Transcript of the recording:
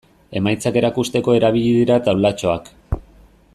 Emaitzak erakusteko erabili dira taulatxoak.